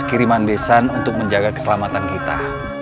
kiriman besan untuk menjaga keselamatan kita